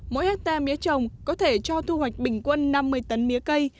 mỗi hectare mía trồng có thể cho thu hoạch bình quân năm mươi tấn mía cây